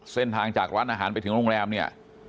เส้นทางจากร้านอาหารไปถึงโรงแรมเนี่ย